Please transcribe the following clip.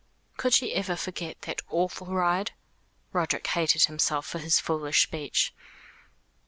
Could she ever forget that awful ride? Roderick hated himself for his foolish speech.